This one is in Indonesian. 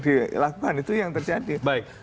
dilakukan itu yang terjadi